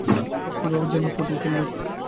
ও কীভাবে যেন পটিয়ে ফেলল।